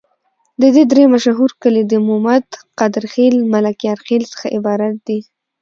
د دي درې مشهور کلي د مومد، قادر خیل، ملکیار خیل څخه عبارت دي.